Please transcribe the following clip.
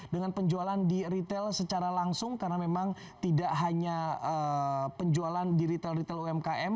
dengan penjualan di retail secara langsung karena memang tidak hanya penjualan di retail retail umkm